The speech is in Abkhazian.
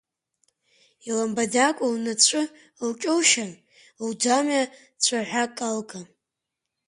Илымбаӡакәа лнацәы лҿылшьын, лӡамҩа цәаҳәак алган.